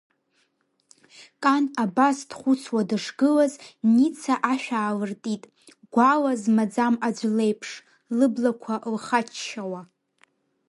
Кан абас дхәыцуа дышгылаз Ница ашә аалыртит, гәала змаӡам аӡә леиԥш, лыблақәа лхаччауа.